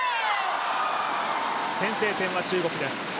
先制点は中国です。